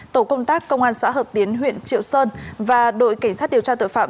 tổ công tác công an xã hợp tiến huyện triệu sơn và đội cảnh sát điều tra tội phạm